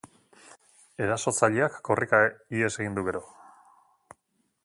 Erasotzaileak korrika ihes egin du gero.